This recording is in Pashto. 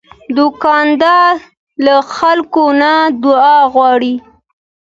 دوکاندار له خلکو نه دعا غواړي.